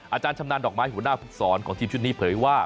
อาจารย์ชำนาญดอกไม้หัวหน้าภูมิสอนของทีมชุดนี้เผยว่า